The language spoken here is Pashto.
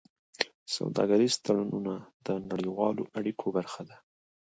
سوداګریز تړونونه د نړیوالو اړیکو برخه ده.